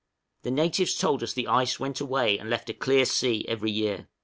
The natives told us the ice went away, and left a clear sea every year.